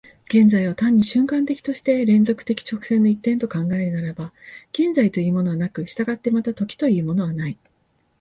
現在を単に瞬間的として連続的直線の一点と考えるならば、現在というものはなく、従ってまた時というものはない。